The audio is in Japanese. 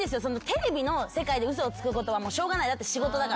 テレビの世界で嘘をつくことはしょうがないだって仕事だから。